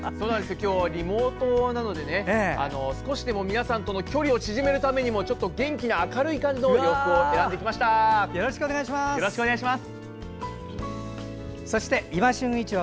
今日はリモートなので少しでも皆さんとの距離を縮めるためにも、元気な明るい感じの洋服を選んできました。